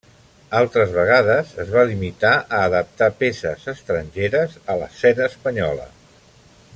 Altres vegades es va limitar a adaptar peces estrangeres a l'escena espanyola.